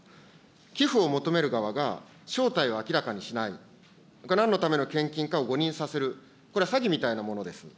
寄付を求める側が正体を明らかにしない、なんのための献金かを誤認させる、これは詐欺みたいなものです。